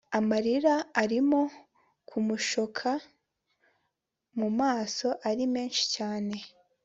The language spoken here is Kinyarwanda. amarira arimo kumushoka mu maso ari menshi cyane